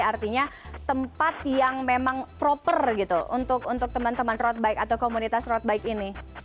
artinya tempat yang memang proper gitu untuk teman teman road bike atau komunitas road bike ini